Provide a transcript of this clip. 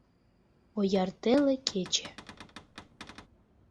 Ояр теле кече.